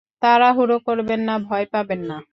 তাড়াহুড়ো করবেন না, ভয় পাবেন না।